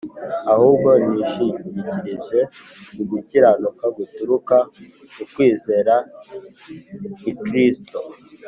ahubwo nishingikirije ku gukiranuka guturuka ku kwizera i Kristo